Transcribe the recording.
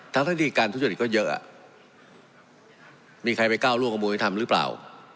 ทั้งสถิติการทุจริตก็เยอะมีใครไปก้าวร่วงกับมุมยุทธรรมหรือเปล่า